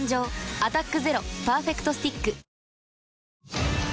「アタックＺＥＲＯパーフェクトスティック」